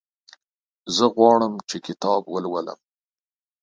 زه غواړم چې کتاب ولولم.